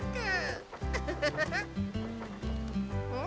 うん？